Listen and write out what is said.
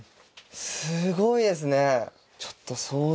すごいですね。